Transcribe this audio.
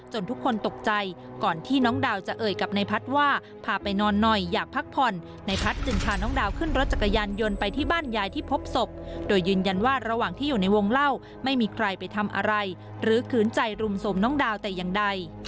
ชายทำอะไรหรือคืนใจรุมสมน้องดาวแต่อย่างใด